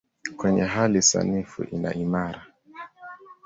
Kwenye hali sanifu ni imara.